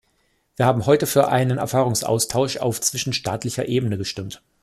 Wir haben heute für einen Erfahrungsaustausch auf zwischenstaatlicher Ebene gestimmt.